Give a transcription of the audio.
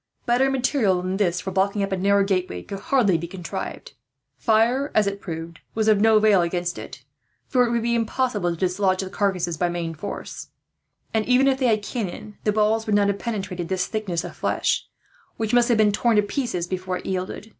Better material than this, for blocking up a narrow gateway, could hardly be contrived. Fire, as it was proved, was of no avail against it, for it would be impossible to dislodge the carcasses by main force; and even if they had cannon, the balls would not have penetrated this thickness of flesh, which must have been torn to pieces before it yielded.